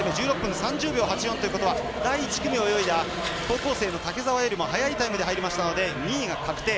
１６分３０秒８４ということは第１組を泳いだ高校生の竹澤より速いタイムで入りましたので２位が確定。